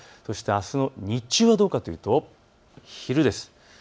あすの日中はどうかというと昼です。